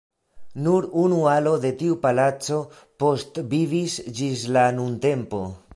Nur unu alo de tiu palaco postvivis ĝis la nuntempo.